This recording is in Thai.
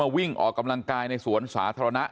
มาวิ่งออกกำลังกายในสวนศอร์น่ะ